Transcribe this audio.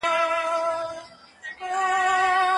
ایا په خوب کي د بالښت لوړوالی د غاړي په روغتیا اغېزه لري؟